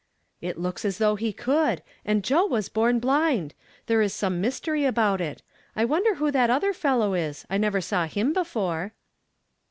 " It looks as though he could ; and Joe was born blind ! There is some mystery about it. I wonder who that other fellow is ? I never saw him before."